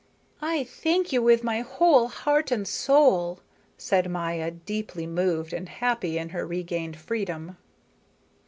"I thank you with my whole heart and soul," said Maya, deeply moved and happy in her regained freedom.